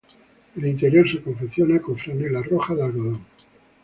El interior se confecciona con franela roja de algodón.